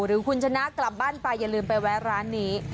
หรือคุณชนะกลับบ้านไปอย่าลืมไปแวะร้านนี้